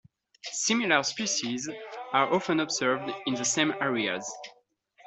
Similar species are often observed in the same areas.